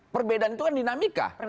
perbedaan itu kan dinamika